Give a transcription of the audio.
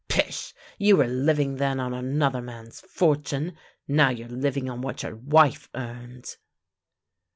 Pish! You were hving then on another man's fortune, now you're living on what your wife earns !